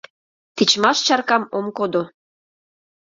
Тичмаш чаркам ом кодо —